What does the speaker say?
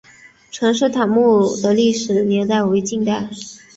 陈式坦墓的历史年代为近代。